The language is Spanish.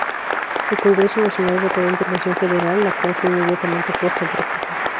El Congreso Nacional votó la intervención federal, la cual fue inmediatamente puesta en práctica.